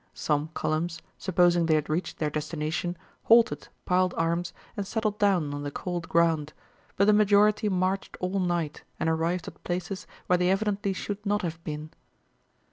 Some columns, supposing they had reached their destination, halted, piled arms, and settled down on the cold ground, but the majority marched all night and arrived at places where they evidently should not have been.